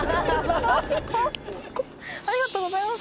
ありがとうございます。